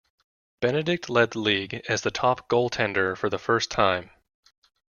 Benedict led the league as the top goaltender for the first time.